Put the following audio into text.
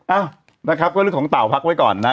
อ้าวนะครับก็เรื่องของเต่าพักไว้ก่อนนะ